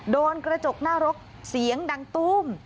โดนกระจกหน้ารถเสียงดังตู้ม